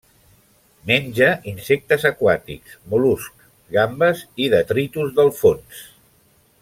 Menja insectes aquàtics, mol·luscs, gambes i detritus del fons.